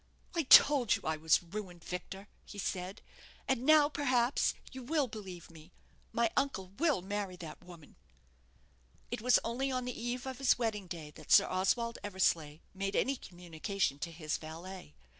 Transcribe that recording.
"I told you I was ruined, Victor," he said; "and now, perhaps, you will believe me. My uncle will marry that woman." It was only on the eve of his wedding day that Sir Oswald Eversleigh made any communication to his valet.